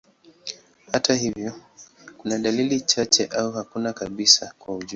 Hata hivyo, kuna dalili chache au hakuna kabisa kwa ujumla.